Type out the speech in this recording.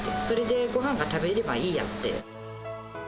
それでごはんが食べれればいいやって。